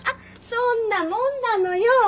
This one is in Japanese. そんなもんなのよ。